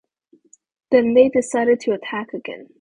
Then they decided to attack again.